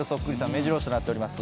めじろ押しとなっております。